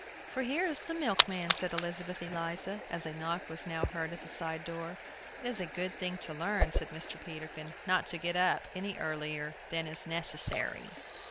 "For here is the milkman!" said Elizabeth Eliza, as a knock was now heard at the side door. "It is a good thing to learn," said Mr. Peterkin, "not to get up any earlier than is necessary."